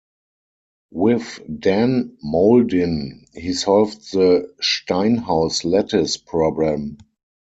With Dan Mauldin he solved the Steinhaus lattice problem.